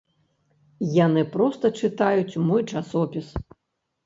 Яны проста чытаюць мой часопіс.